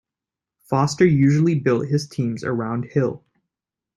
Foster usually built his teams around Hill.